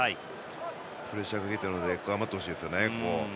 プレッシャーかけてるので頑張ってほしいですね、ここは。